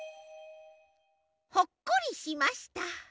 ほっこりしました。